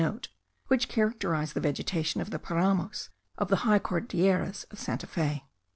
which characterize the vegetation of the paramos on the high Cordilleras of Santa Fe.